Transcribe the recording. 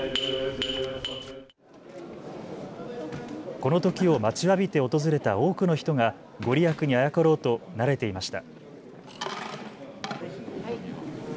このときを待ちわびて訪れた多くの人が御利益にあやかろうとなでていました。